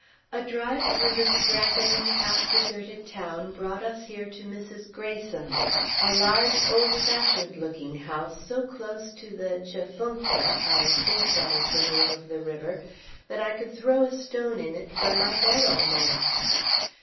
A drive through the straggling, half deserted town brought us here to Mrs. Greyson's, a large, old fashioned looking house so close to the Tchefuncta (I think that is the name of the river) that I could throw a stone in it from my bed, almost.